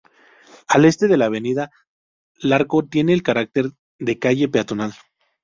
Al este de la avenida Larco tiene el carácter de calle peatonal.